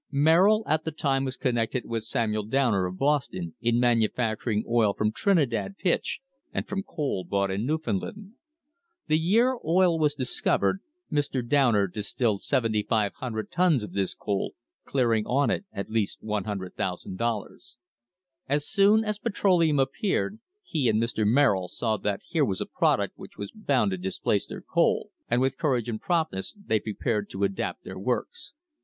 Merrill at the time was connected with Samuel Downer, of Boston, in manufacturing oil from Trinidad pitch and from coal bought in Newfoundland. The year oil was dis :overed Mr. Downer distilled 7,500 tons of this coal, clear ing on it at least $100,000. As soon as petroleum appeared le and Mr. Merrill saw that here was a product which was Dound to displace their coal, and with courage and prompt less they prepared to adapt their works.